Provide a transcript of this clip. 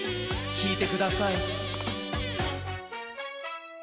きいてください。